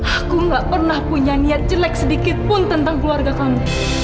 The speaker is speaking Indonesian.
aku gak pernah punya niat jelek sedikit pun tentang keluarga kami